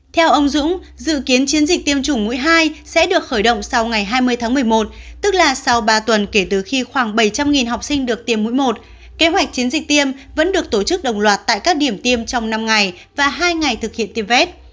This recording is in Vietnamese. theo ông dũng dự kiến chiến dịch tiêm chủng mũi hai sẽ được khởi động sau ngày hai mươi tháng một mươi một tức là sau ba tuần kể từ khi khoảng bảy trăm linh học sinh được tiêm mũi một kế hoạch chiến dịch tiêm vẫn được tổ chức đồng loạt tại các điểm tiêm trong năm ngày và hai ngày thực hiện tiêm vét